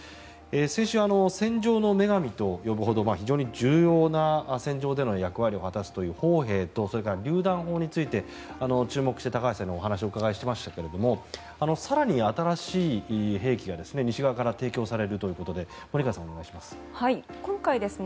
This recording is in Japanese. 先週、戦場の女神と呼ぶほど非常に重要な戦場での役割を果たすという砲兵とそれから、りゅう弾砲について注目して高橋さんにお話を伺いましたが更に新しい兵器が西側から提供されるということで森川さん、お願いします。